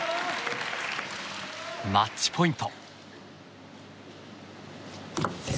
マッチポイント。